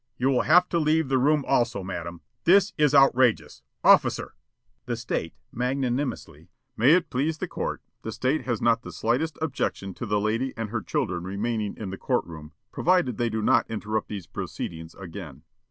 You will have to leave the room also, madam. This is outrageous. Officer!" The State, magnanimously: "May it please the court, the State has not the slightest objection to the lady and her children remaining in the court room, provided they do not interrupt these proceedings again."